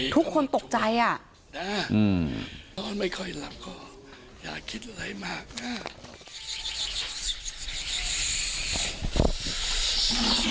ทุกคนตกใจอ่าอืมไม่ค่อยหลับข้ออย่าคิดอะไรมากอ้าว